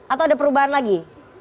atau ada perubahan lagi